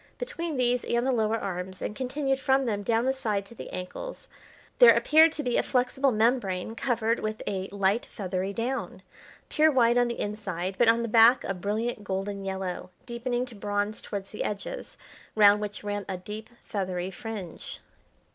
Between these and the lower arms, and continued from them down the side to the ankles, there appeared to be a flexible membrane covered with a light feathery down, pure white on the inside, but on the back a brilliant golden yellow, deepening to bronze towards the edges, round which ran a deep feathery fringe.